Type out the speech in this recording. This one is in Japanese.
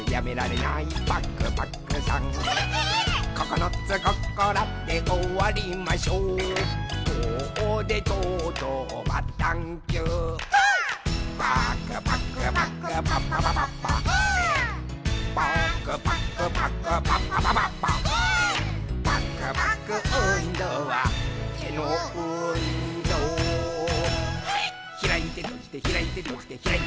「ひらいてとじてひらいてとじてひらいてひらいてひらいて」